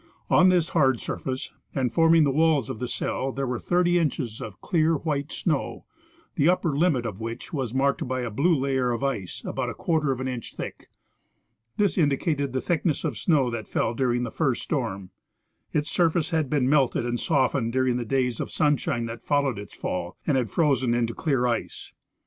On this hard surface, and forming the walls of the cell, there 'were thirty inches of clear white snow, the upper limit of which was marked by a blue layer of ice about a quarter of an inch thick. This indicated the thickness of snow that fell during the first storm. Its surface had been melted and softened during the days of sunshine that followed its fall, and had frozen into clear ice.